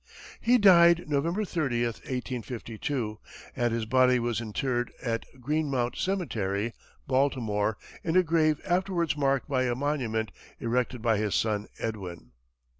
He died November 30, 1852, and his body was interred at Greenmount Cemetery, Baltimore, in a grave afterwards marked by a monument erected by his son Edwin.